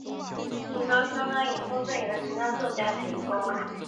其中相当一部分由其他作曲家的提供。